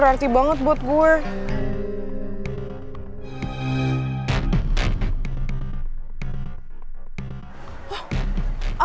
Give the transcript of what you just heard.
masuk kuliah dulu